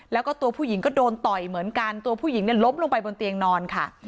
แล้วก็ตัวผู้หญิงก็โดนต่อยเหมือนกันตัวผู้หญิงเนี่ยล้มลงไปบนเตียงนอนค่ะ